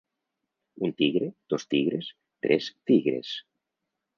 Un tigre, dos tigres, tres tigres.